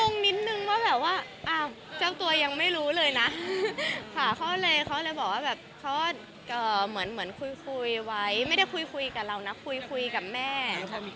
งงนิดนึงว่าแบบว่าเจ้าตัวยังไม่รู้เลยนะค่ะเขาเลยเขาเลยบอกว่าแบบเขาเหมือนคุยไว้ไม่ได้คุยกับเรานะคุยกับแม่